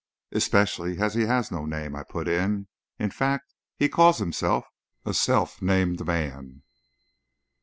"Especially as he has no name!" I put in; "in fact, he calls himself a self named man!"